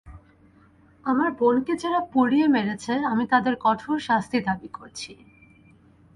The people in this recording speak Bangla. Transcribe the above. আমার বোনকে যারা পুড়িয়ে মেরেছে, আমি তাদের কঠোর শাস্তি দাবি করছি।